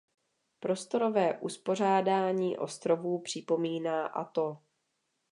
Prostorové uspořádání ostrovů připomíná atol.